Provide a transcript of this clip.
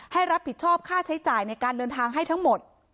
ให้รับผิดชอบค่าใช้จ่ายในการเดินทางให้ทั้งหมด